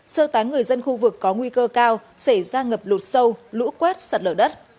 sơ tán người dân khu vực có nguy cơ cao xảy ra ngập lụt sâu lũ quét sạt lở đất